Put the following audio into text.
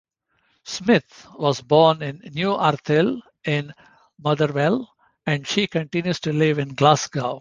Smith was born in Newarthill in Motherwell, and she continues to live in Glasgow.